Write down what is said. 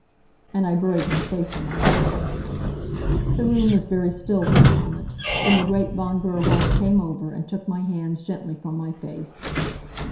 And I buried my face in my hands. The room was very still for a moment. Then the great Von Gerhard came over, and took my hands gently from my face.